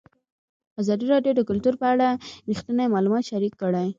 ازادي راډیو د کلتور په اړه رښتیني معلومات شریک کړي.